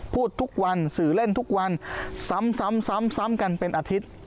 พูดทุกวันสื่อเล่นทุกวันซ้ำซ้ำซ้ำซ้ำซ้ำกันเป็นอาทิตย์